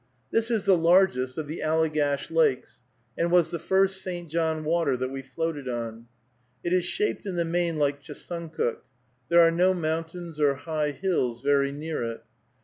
This is the largest of the Allegash lakes, and was the first St. John water that we floated on. It is shaped in the main like Chesuncook. There are no mountains or high hills very near it.